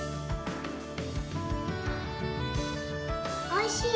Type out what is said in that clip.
おいしい！